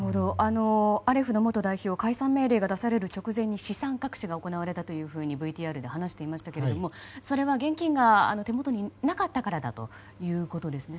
アレフの元代表解散命令が出される直前に資産隠しが行われたとＶＴＲで話していましたがそれは現金が手元になかったからだということですね。